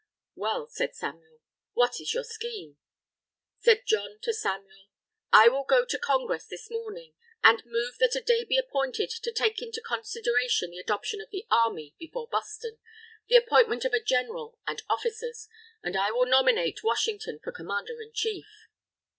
"'Well,' said Samuel, 'what is your scheme?' "Said John to Samuel, 'I will go to Congress this morning, and move that a day be appointed to take into consideration the adoption of the Army before Boston, the appointment of a General and officers; and I will nominate Washington for Commander in Chief!